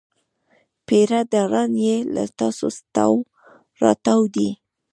پیره داران یې له تاسونه تاو راتاو دي.